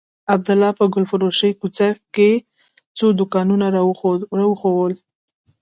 عبدالله په ګلفروشۍ کوڅه کښې څو دوکانونه راوښوول.